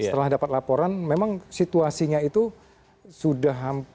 setelah dapat laporan memang situasinya itu sudah dua jam